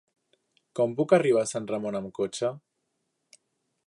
Com puc arribar a Sant Ramon amb cotxe?